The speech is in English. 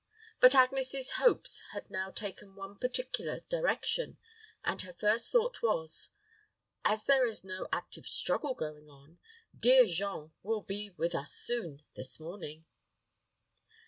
But Agnes's hopes had now taken one particular direction, and her first thought was, "As there is no active struggle going on, dear Jean will be with us soon this morning."